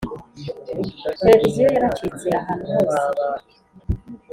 televiziyo yaracitse ahantu hose.